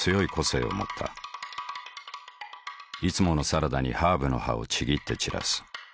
いつものサラダにハーブの葉をちぎって散らす。